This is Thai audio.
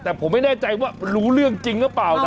แต่ผมไม่แน่ใจว่ารู้เรื่องจริงหรือเปล่านะ